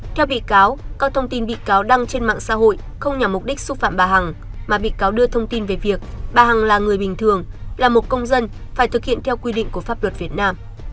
theo bị cáo các thông tin bị cáo đăng trên mạng xã hội không nhằm mục đích xúc phạm bà hằng mà bị cáo đưa thông tin về việc bà hằng là người bình thường là một công dân phải thực hiện theo quy định của pháp luật việt nam